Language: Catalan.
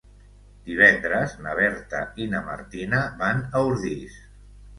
Divendres na Berta i na Martina van a Ordis.